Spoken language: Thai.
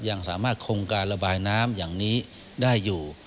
ยังสามารถคงการระบายน้ำอย่างนี้ได้อยู่